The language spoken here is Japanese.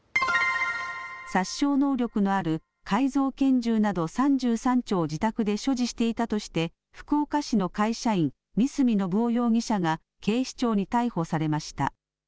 殺傷能力のある改造拳銃など３３丁を自宅で所持していたとして福岡市の会社員三角信夫容疑者が警視庁に逮捕されました。